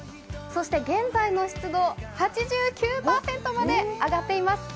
そして現在の湿度８９％まで上がっています。